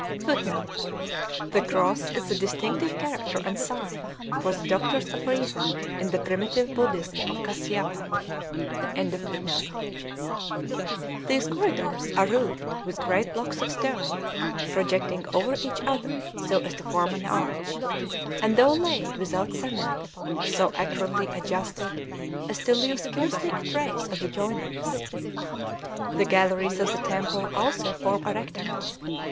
[Footnote: The cross is the distinctive character and sign for the Doctors of Reason in the primitive Buddhism of Kasyapa.] These corridors are roofed with great blocks of stone, projecting over each other so as to form an arch, and, though laid without cement, so accurately adjusted as to leave scarcely a trace of the joinings. The galleries of the temple also form a rectangle.